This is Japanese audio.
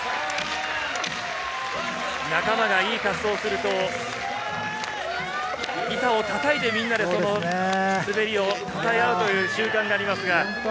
仲間がいい滑走をすると、板を叩いて、みんなで滑りをたたえ合うという習慣がありますが。